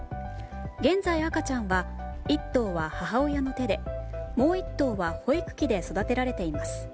現在赤ちゃんは１頭は母親の手でもう１頭は保育器で育てられています。